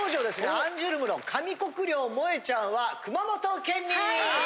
アンジュルムの上國料萌衣ちゃんは熊本県民。